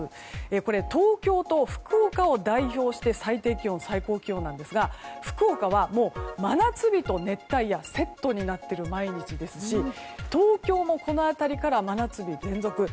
これは東京と福岡を代表した最低気温、最高気温ですが福岡は真夏日と熱帯夜がセットになっている毎日ですし東京もこの辺りから真夏日連続。